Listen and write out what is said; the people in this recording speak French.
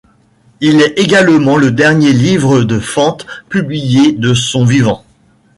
Il est également le dernier livre de Fante publié de son vivant.